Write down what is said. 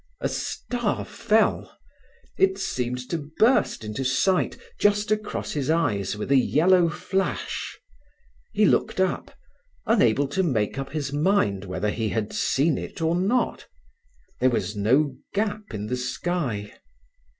A star fell. It seemed to burst into sight just across his eyes with a yellow flash. He looked up, unable to make up his mind whether he had seen it or not. There was no gap in the sky.